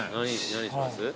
何にします？